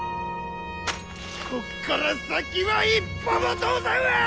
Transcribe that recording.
こっから先は一歩も通さんわ！